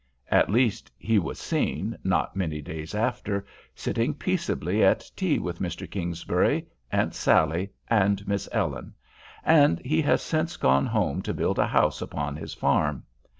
At least he was seen, not many days after, sitting peaceably at tea with Mr. Kingsbury, Aunt Sally, and Miss Ellen; and he has since gone home to build a house upon his farm.